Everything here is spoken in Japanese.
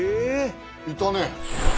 いたね。